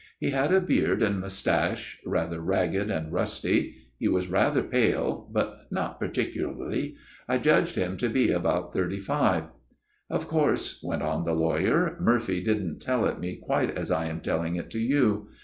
He had a beard and moustache, rather ragged and rusty ; he was rather pale, but not particularly : I judged him to be about thirty five.' Of course," went on the lawyer, " Murphy didn't tell it me quite as I am telling it to you.